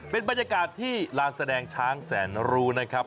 เป็นบรรยากาศที่ลานแสดงช้างแสนรู้นะครับ